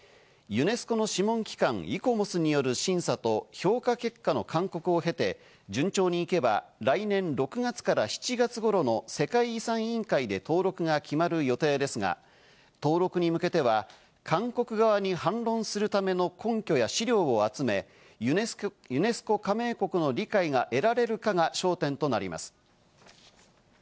ユネスコの諮問機関・イコモスによる審査と評価結果の勧告を経て、順調にいけば来年６月から７月頃の世界遺産委員会で登録が決まる予定ですが、登録に向けては、韓国側に反論するための根拠や資料を集め、ユネスコ加盟国の理解が得られるかが焦点となります。